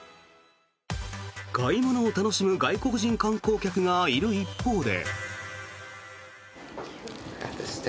買い物を楽しむ外国人観光客がいる一方で。